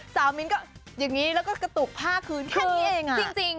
เซามิ้นต์ก็อย่างนี้แล้วก็ตุกผ้าคืนแค่เงินอ่ะอเรนนี่เรนจริง